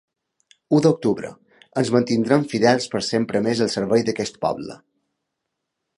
U d’octubre: ens mantindrem fidels per sempre més al servei d’aquest poble.